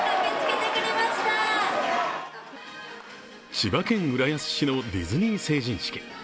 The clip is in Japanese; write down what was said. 千葉県浦安市のディズニー成人式。